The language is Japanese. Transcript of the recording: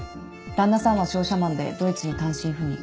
旦那さんは商社マンでドイツに単身赴任。